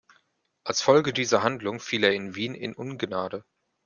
Als Folge dieser Handlung fiel er in Wien in Ungnade.